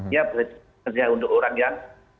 ini bisa untuk orang yang